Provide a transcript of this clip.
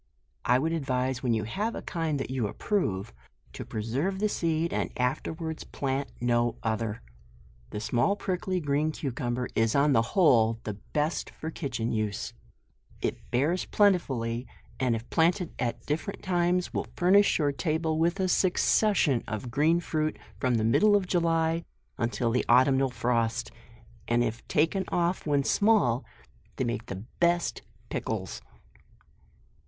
I would advise, when you have a kind that you approve, to preserve the seed, and af terwards plant no other. The small, prickly green cucumber, is on the whole, the best for kitchen use ; it bears plentifully, and if planted at different times, will furnish your table with a succession of green fruit from the middle of July, until the autumnal frost, and if taken off when small, they make the best of pickles.